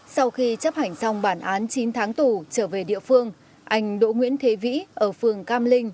sau khi chấp hành xong bản án chín tháng tù trở về địa phương anh đỗ nguyễn thế vĩ ở phường cam linh